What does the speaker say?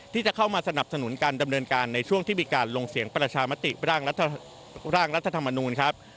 ที่จะเข้ามาสนับสนุนการดำเนินการในช่วงที่มีการลงเสียงประชามติร่างรัฐธรรมนูลครับ